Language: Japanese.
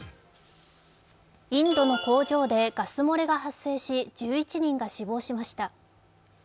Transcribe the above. インドの工場でガス漏れが発生し、１１人が死亡しました。